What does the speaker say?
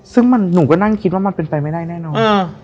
ซึ่งหนูก็นั่งคิดว่ามันเป็นไปไม่ได้แน่นอน